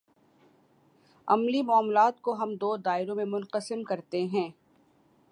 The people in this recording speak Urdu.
عملی معاملات کو ہم دو دائروں میں منقسم کرتے ہیں۔